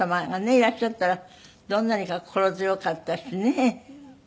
いらっしゃったらどんなにか心強かったしね。